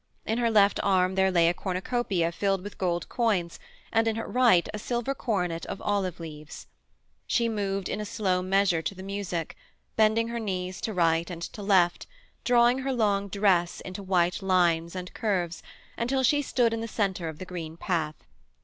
In her left arm there lay a cornucopia filled with gold coins, and in her right a silver coronet of olive leaves. She moved in a slow measure to the music, bending her knees to right and to left, and drawing her long dress into white lines and curves, until she stood in the centre of the green path.